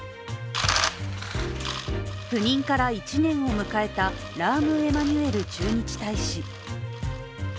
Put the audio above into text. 赴任から１年を迎えたラーム・エマニュエル駐日大使。